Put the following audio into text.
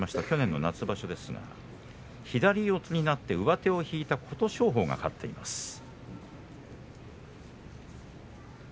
去年の夏場所左四つになって上手を引いた琴勝峰が勝っています。